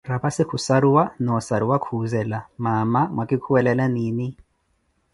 Rapassi khuʼssaruwa, noo ossaruwa khuzela, mamaa mwakikuwelela nini?